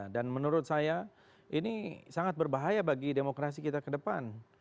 dan menurut saya ini sangat berbahaya bagi demokrasi kita ke depan